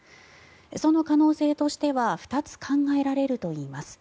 その可能性としては２つ考えられるといいます。